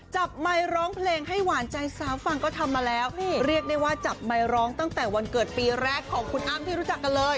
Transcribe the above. ไมค์ร้องเพลงให้หวานใจสาวฟังก็ทำมาแล้วเรียกได้ว่าจับไมค์ร้องตั้งแต่วันเกิดปีแรกของคุณอ้ำที่รู้จักกันเลย